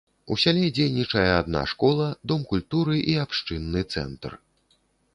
У сяле дзейнічае адна школа, дом культуры і абшчынны цэнтр.